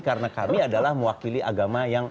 karena kami adalah mewakili agama yang